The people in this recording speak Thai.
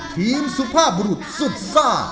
ทีมสุภาพบรุษสุดซ่า